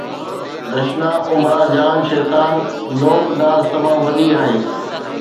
”دشنا غمزه جان شيطان“ نوڪ ناز تمام وڏي آهي